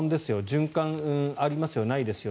循環ありますよ、ないですよ